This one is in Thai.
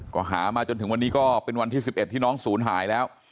ก็หามาจนถึงวันนี้ก็เป็นวันที่๑๑ที่น้องศูนย์หายแล้ว